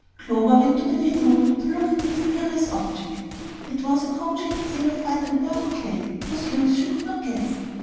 Clover went to the window to look at the mysterious object. It was a cone shaped thing of white unburned clay, whose use she could not guess.